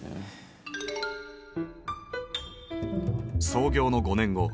創業の５年後。